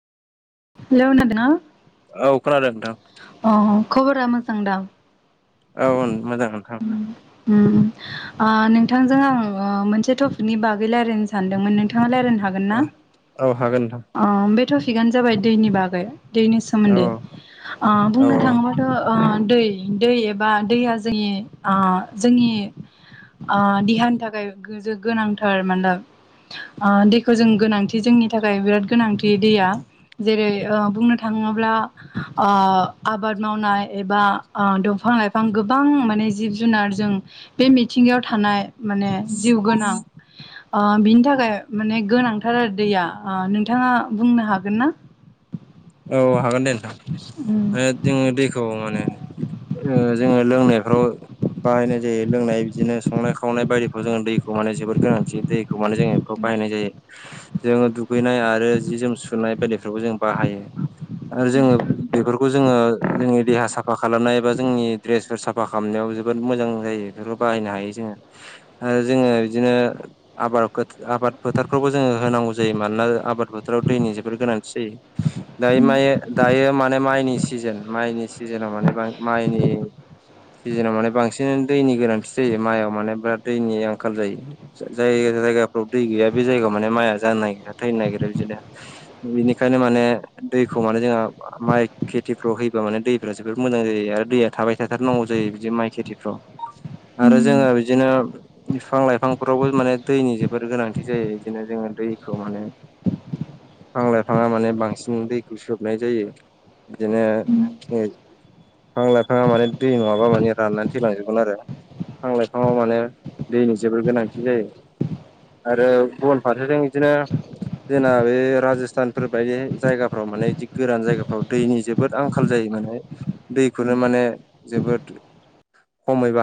हेल खोनादोंना। औ खोनादों नोंथां। अ खबरा मोजां दां। औ मोजां नोंथां। उम ओ-नोंथांजों आं मोनसे टपिकनि बागै रायज्लायनो सानदोंमोन नोंथाङा रायज्लायनो हाग औ हागोन नोंथां। ओ-बे थटफिकआनो जाबाय दैनि बागै। दैनि औ सोमोन्दै औ ओ-बुंनो थाङोबाथ ओ-दै दै बा दैया जोंनि ओ-जोंनि देहानि थाखाय गो गोनांथार मानोना। ओ-दैखौ जों गोनांथि जोंनि थाखाय बिराद गोनांथि दैया। जेरै ओ-बुंनो थाङोब्ला। ओ-आबाद मावनाय एबा दंफां लाइफ गोबां गोबां माने जिब जुनारजों बे मिथिंगायाव थानाय माने जिउ गोनां। [unintelligible] ओ-बिनि थाखाय माने गोनांथार आरो दैया ओ-नोंथाङा बुंनो हागोन ना? [unintelligible] औ हागोन दे उम नोंथां जोङो दैखौ माने। ओ-जोङो लोंनायफ्राव। बाहायनाय जायो लोंनाय बिदिनो संनाय खावनाय बायदिखौ जोङो दैखौ माने जोबोद गोनांथि दैखौ माने जोङो। खौ बाहायनाय जायो जोङो दुगैनाय आरो जि जोम सुनाय बेायलादिफोरखौ जों बाहायो। आरो जोङो बेफोरखौ जोङो जोंनि देहा साफा खालामनाय बा जोंनि द्रेसफोर साफा सफा खालामनायाव जोबोद मोजां जायो बेफोरखौ बाहायनो हायो जोङो आरो जोङो बिदिनो आबाद आबाद फोथारफोरखौबो जोङो होनांगौ जायो मानोना आबाद फोथोराव दैनि जोबोर गोनांथि जायो [inaudible] दायो माय दायो माने माइनि सिजोन माइनि सिजोनाव माने माइनि सिजोनाव माने बांसिन दैनि गोनांथि जायो माइआव माने बिराद दैनि आंखाल जायो जायगा जायगाफ्राव दै गैया बे जायगायाव माने माइआ जानो नागिरा थैनो नागिरा बिदिनो बेनिखायनो माने दैखौ माने जोंहा माइ खेथिफ्राव होयोबा माने दैफ्रा जोबोद मोजां जायो आरो दैया थाबाय थाथारनांगौ जायो बिदि माइ खेथिफ्राव आरो जोङो बिदिनो बिफां लाइफांफोरावबो माने दैनि जोबोर गोनांथि जायो बिदिनो जोङो दैखौ माने फां लाइफाङा माने बांसिन फुं दैखौ सोबनाय जायो बिदिनो बिफां लाइफाङा माने दै नङाब्ला माने राननानै थैलांजोबगोन आरो बिां लाइफाङाव माने दैनि जोबोर गोनांथि जायो आरो गुबुन फारसेजों बिदिनो जोंना बे राजस्थानफोरबायदि जायगाफ्राव माने बि गोरान जायगाफ्राव दैनि जोबोद आंखाल जायो माने दैखौनो माने जोबोद खमैबा